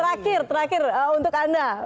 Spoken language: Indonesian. terakhir terakhir untuk anda